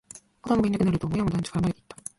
子供がいなくなると、親も団地から離れていった